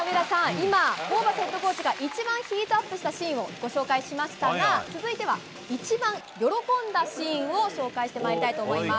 今、ホーバスヘッドコーチが一番ヒートアップしたシーンをご紹介しましたが続いては、一番喜んだシーンを紹介してまいりたいと思います。